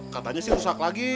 katanya sih rusak lagi